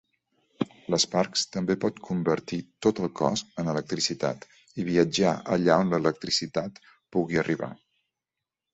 L'Sparks també pot convertir tot el cos en electricitat i viatjar allà on l'electricitat pugui arribar.